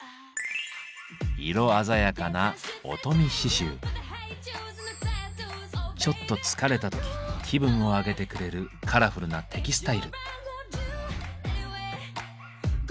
色鮮やかなちょっと疲れた時気分を上げてくれるカラフルなテキスタイル。